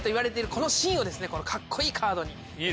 このシーンをカッコいいカードに。